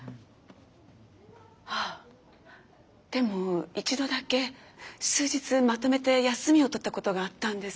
あでも一度だけ数日まとめて休みを取ったことがあったんです。